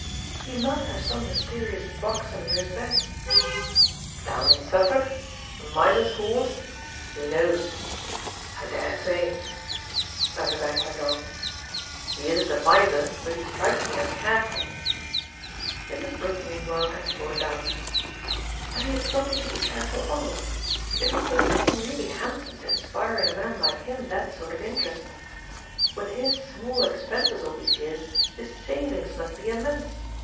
"He must have some mysterious box under his bed." "Down in Suffolk? a miser's hoard? Who knows? I dare say," Vanderbank went on. "He isn't a miser, but he strikes me as careful." Mrs. Brook meanwhile had thought it out. "Then he has something to be careful of; it would take something really handsome to inspire in a man like him that sort of interest. With his small expenses all these years his savings must be immense.